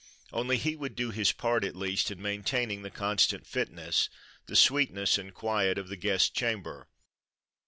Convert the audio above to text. Only, he would do his part, at least, in maintaining the constant fitness, the sweetness and quiet, of the guest chamber.